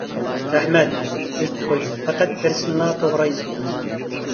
رەھمەت، تۈزىتىپ قويدۇم، پەقەت بىرسىنىلا توغرا يېزىپتىمەن.